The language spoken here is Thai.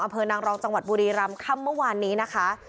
อำเภอนางรองจังหวัดบุรีรำค่ำเมื่อวานนี้นะคะ